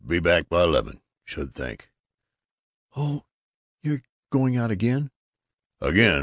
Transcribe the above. Be back by eleven, should think." "Oh! You're going out again?" "Again!